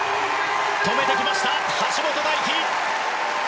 止めてきました、橋本大輝。